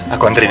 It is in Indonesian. aku anterin ya